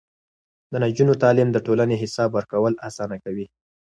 د نجونو تعليم د ټولنې حساب ورکول اسانه کوي.